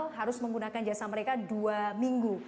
jadi harus menggunakan jasa mereka dua minggu